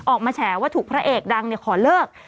แฉว่าถูกพระเอกดังขอเลิก